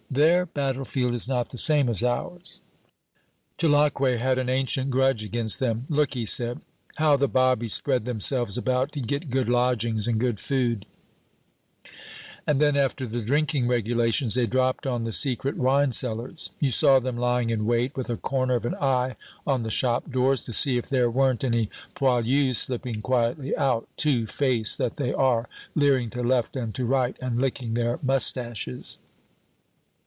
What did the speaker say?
"Their battlefield is not the same as ours." Tulacque had an ancient grudge against them. "Look," he said, "how the bobbies spread themselves about to get good lodgings and good food, and then, after the drinking regulations, they dropped on the secret wine sellers. You saw them lying in wait, with a corner of an eye on the shop doors, to see if there weren't any poilus slipping quietly out, two faced that they are, leering to left and to right and licking their mustaches."